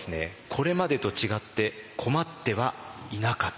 これまでと違って困ってはいなかったようであります。